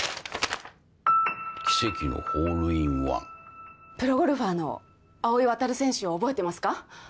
「奇跡のホールインワン」プロゴルファーの青井亘選手を覚えてますか？